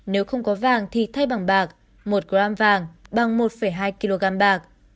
nếu không có vàng thì thay bằng bạc một g vàng bằng một hai kg bạc